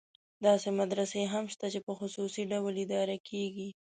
داسې مدرسې هم شته چې په خصوصي ډول اداره کېږي.